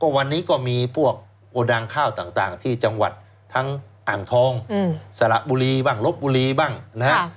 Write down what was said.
วันนี้ก็มีพวกโกดังข้าวต่างที่จังหวัดทั้งอ่างทองสละบุรีบ้างลบบุรีบ้างนะฮะ